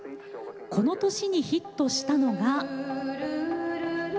この年にヒットしたのが。